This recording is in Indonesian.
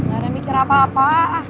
gak ada mikir apa apa